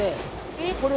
これ！